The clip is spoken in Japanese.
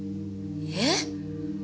えっ？